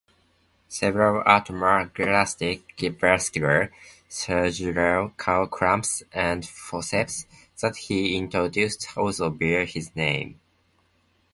Several atraumatic vascular surgical clamps and forceps that he introduced also bear his name.